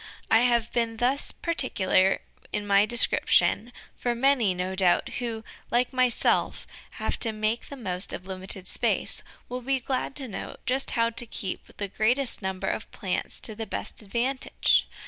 I have been thus particular in my description, for many, no doubt, who, like myself, have to make the most of limited space, will be glad to know just how to keep the greatest number of plants to the best advantage.